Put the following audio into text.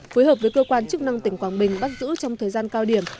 phối hợp với cơ quan chức năng tỉnh quảng bình bắt giữ trong thời gian cao điểm